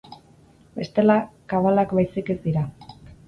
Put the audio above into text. Bestela, kabalak baizik ez dira!